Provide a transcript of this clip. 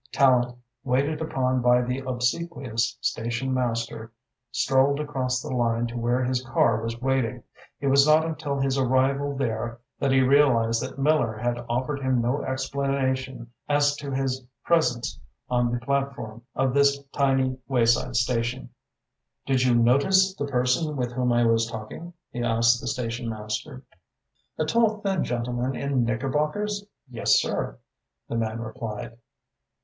Tallente, waited upon by the obsequious station master, strolled across the line to where his car was waiting. It was not until his arrival there that he realised that Miller had offered him no explanation as to his presence on the platform of this tiny wayside station. "Did you notice the person with whom I was talking?" he asked the station master. "A tall, thin gentleman in knickerbockers? Yes, sir," the man replied.